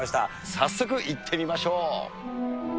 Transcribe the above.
早速行ってみましょう。